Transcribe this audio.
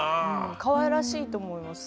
かわいらしいと思います